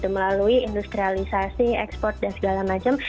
melalui industrialisasi ekspor dan segala macam